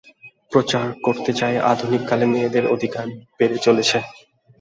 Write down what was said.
প্রচার করতে চাই, আধুনিক কালে মেয়েদের অধিকার বেড়ে চলেছে।